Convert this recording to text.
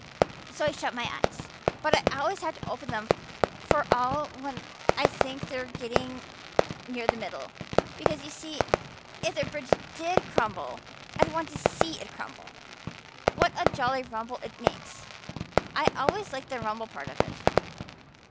So I shut my eyes. But I always have to open them for all when I think we're getting near the middle. Because, you see, if the bridge did crumple up I'd want to see it crumple. What a jolly rumble it makes! I always like the rumble part of it.